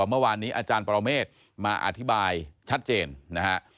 เมื่อวานนี้อาจารย์ปรเมฆมาอธิบายชัดเจนนะฮะ